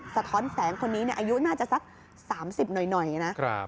สะท้อนแสงคนนี้เนี่ยอายุน่าจะสักสามสิบหน่อยหน่อยนะครับ